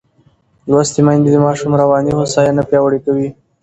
لوستې میندې د ماشوم رواني هوساینه پیاوړې کوي.